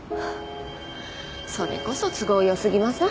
それこそ都合よすぎません？